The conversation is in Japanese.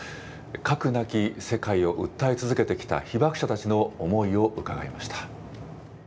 核なき世界を訴え続けてきた被爆者たちの思いを伺いました。